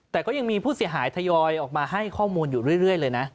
แต่ก็ยังมีผู้เสียหายทยอยออกมาให้ข้อมูลอยู่เรื่อยเลยนะ